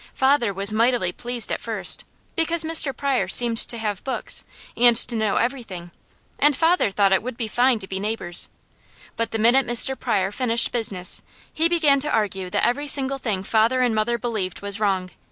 Father was mightily pleased at first, because Mr. Pryor seemed to have books, and to know everything, and father thought it would be fine to be neighbours. But the minute Mr. Pryor finished business he began to argue that every single thing father and mother believed was wrong.